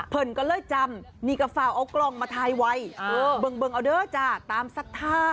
เพลินก็เลยจำนี่กะฟาวเอากลองมาทายไว้เบิ่งเอาเด้อจ้าตามศรัทธา